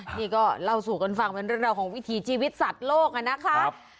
นี่ก็เล่าสู่กันฟังเป็นเรื่องราวของวิถีชีวิตสัตว์โลกนะครับ